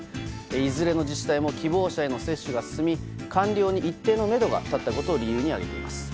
いずれの自治体も希望者への接種が進み完了に一定のめどが立ったことが理由に挙げています。